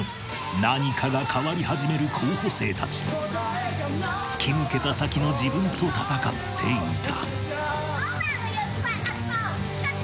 何かが変わり始める候補生たち突き抜けた先の自分と闘っていた